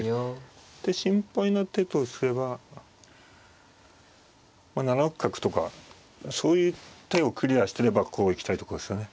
で心配な手とすればまあ７六角とかそういう手をクリアしてればこう行きたいとこですよね。